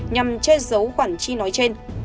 nhằm che giấu khoản chi nói trên